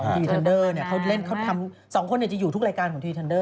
ทีทันเดอร์เนี่ยเขาเล่นเขาทำสองคนจะอยู่ทุกรายการของทีทันเดอร์